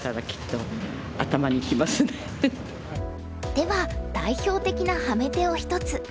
では代表的なハメ手を一つ。